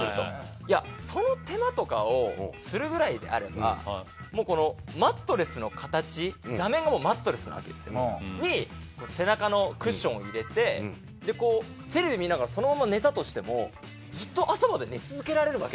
いやその手間とかをするぐらいであればもうこのマットレスの形座面がもうマットレスなわけですよ。に背中のクッションを入れてこうテレビ見ながらそのまま寝たとしてもずっと朝まで寝続けられるわけですよ。